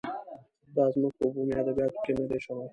دا زموږ په بومي ادبیاتو کې نه دی شوی.